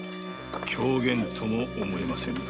狂言とも思えませんが。